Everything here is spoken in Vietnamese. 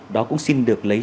đó cũng xin được lấy